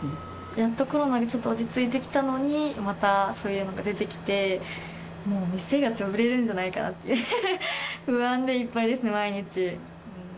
やっとコロナがちょっと落ち着いてきたのに、またそういうのが出てきて、もう店が潰れるんじゃないかなっていう不安でいっぱいですね、毎日。